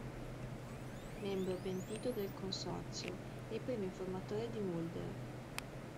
Membro pentito del Consorzio e primo informatore di Mulder.